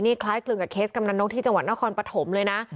นี่คล้ายกลึงกับเคสกำนันนกที่จังหวัดนครปฐมเลยนะ